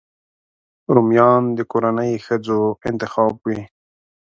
رومیان د کورنۍ ښځو انتخاب وي